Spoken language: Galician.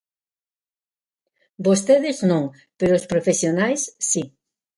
Vostedes, non; pero os profesionais, si.